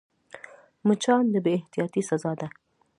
مچان د بې احتیاطۍ سزا ده